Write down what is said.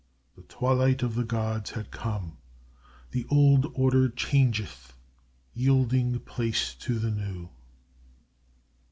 The twilight of the gods had come. "The old order changeth, yielding place to new."